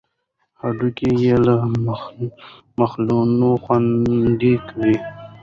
هډوکي یې له ملخانو خوندي وي.